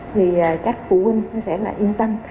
thì các phụ huynh nó sẽ là yên tâm